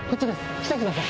来てください。